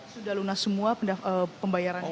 sudah lunas semua pembayarannya